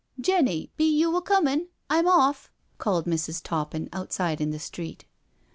Jenny, be you a coomin'? I'm off," called Mrs. Toppin outside in the street.